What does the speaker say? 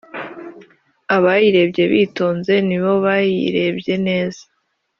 Abayirebye bitonze nibo bayirebye neza